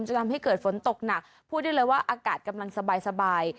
จะทำให้เกิดฝนตกหนักพูดได้เลยว่าอากาศกำลังสบาย